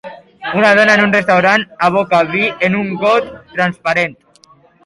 Una dona en un restaurant aboca vi en un got transparent.